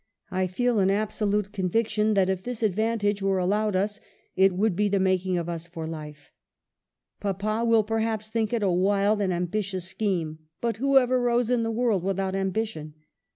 I feel an absolute conviction that if this advantage were allowed us, it would be the making of us for life. Papa will perhaps think it a wild and ambitious scheme ; but who ever rose in the world without ambition ?